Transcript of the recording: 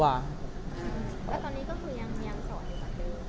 แล้วตอนนี้ก็คือยังสอนอยู่ค่ะ